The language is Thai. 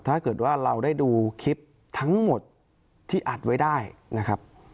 ถ้าเกิดว่าเราได้ดูคลิปทั้งหมดที่อัดไว้ได้นะครับ